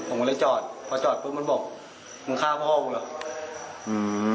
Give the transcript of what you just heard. ผมมันเลยจอดพอจอดปุ๊บมันบอกมึงข้าวพ่อกูแล้วอืม